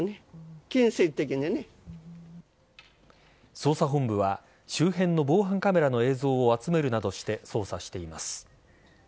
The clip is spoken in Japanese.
捜査本部は周辺の防犯カメラの映像を集めるなどして捜査しています。